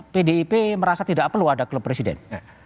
pdip merasa tidak perlu ada klub presiden